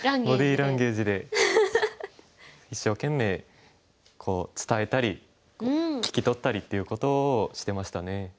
ボディーランゲージで一生懸命伝えたり聞き取ったりっていうことをしてましたね。